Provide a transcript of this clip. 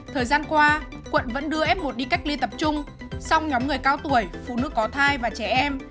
thời gian qua quận vẫn đưa f một đi cách ly tập trung song nhóm người cao tuổi phụ nữ có thai và trẻ em